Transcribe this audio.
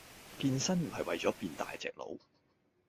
健身唔係為左變大隻佬